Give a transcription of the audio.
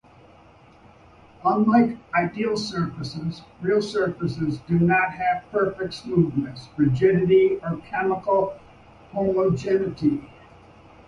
Unlike ideal surfaces, real surfaces do not have perfect smoothness, rigidity, or chemical homogeneity.